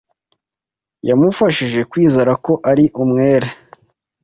Yamufashije kwizera ko ari umwere.